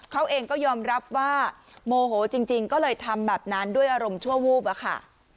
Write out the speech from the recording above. เขาเองก็ยอมรับว่าโมโหจริงก็เลยทำแบบนั้นด้วยอารมณ์ชั่ววูบอะค่ะ